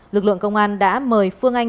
lực lượng công an đã mời phương anh